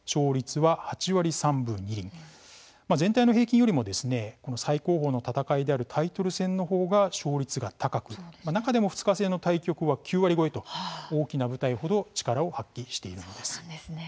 全体の平均よりも最高峰の戦いであるタイトル戦の方が勝率が高く中でも２日制の対局は９割超えと大きな舞台程力を発揮しているのです。